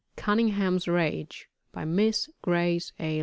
CUNNINGHAM'S RACHE. BY MISS GRACE A.